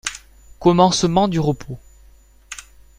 Commencement du repos